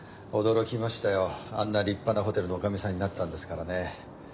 あんな立派なホテルの女将さんになったんですからね。